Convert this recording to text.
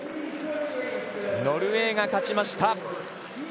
ノルウェーが勝ちました。